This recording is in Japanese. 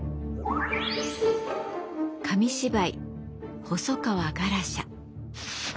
紙芝居「細川ガラシャ」。